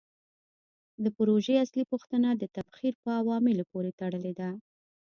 د پروژې اصلي پوښتنه د تبخیر په عواملو پورې تړلې ده.